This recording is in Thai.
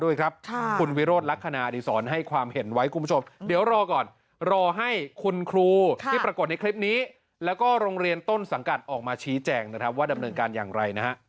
อย่างไรนะฮะค่ะ